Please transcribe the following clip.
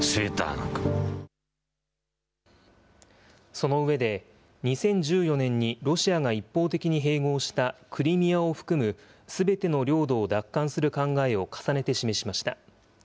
その上で、２０１４年にロシアが一方的に併合したクリミアを含むすべての領土を奪還する考えを重ねて示しました。